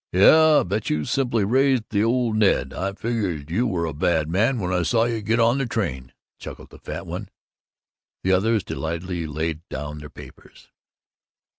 "Yuh, I bet you simply raised the old Ned. I figured you were a bad man when I saw you get on the train!" chuckled the fat one. The others delightedly laid down their papers.